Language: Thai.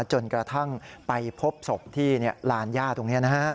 จนกระทั่งไปพบศพที่ลานหญ้าตรงนี้นะครับ